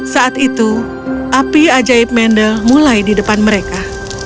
saat itu api ajaib mendel mulai di depan mereka